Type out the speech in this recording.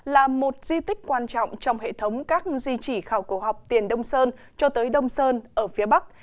là một di tích quan trọng trong hệ thống các di chỉ khảo cổ học tiền đông sơn cho tới đông sơn ở phía bắc